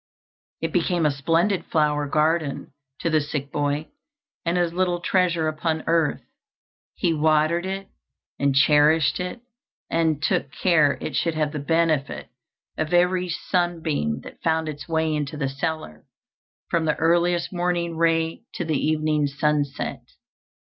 It became a splendid flower garden to the sick boy, and his little treasure upon earth. He watered it, and cherished it, and took care it should have the benefit of every sunbeam that found its way into the cellar, from the earliest morning ray to the evening sunset.